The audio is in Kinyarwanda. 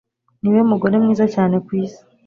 Niwe mugore mwiza cyane kwisi